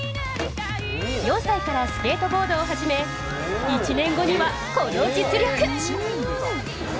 ４歳からスケートボードを始め１年後にはこの実力。